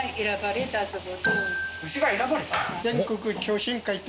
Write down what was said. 牛が選ばれた？